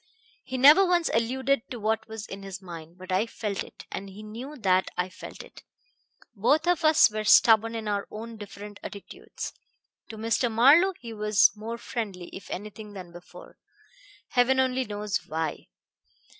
He never once alluded to what was in his mind; but I felt it, and he knew that I felt it. Both of us were stubborn in our different attitudes. To Mr. Marlowe he was more friendly, if anything, than before heaven only knows why.